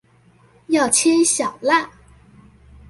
要切小辣